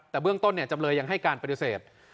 แต่เบื้องต้นจำเลยยังให้การปฏิเสธ